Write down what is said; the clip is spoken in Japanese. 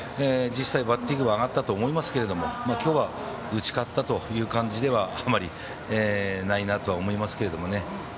実際、バッティングは上がったと思いますけれども今日は打ち勝ったという感じではあまりないなと思いますけどね。